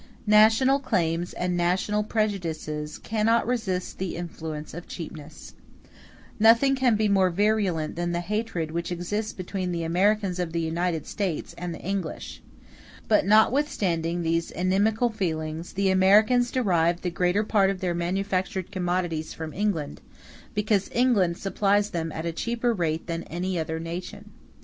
National claims and national prejudices cannot resist the influence of cheapness. Nothing can be more virulent than the hatred which exists between the Americans of the United States and the English. But notwithstanding these inimical feelings, the Americans derive the greater part of their manufactured commodities from England, because England supplies them at a cheaper rate than any other nation.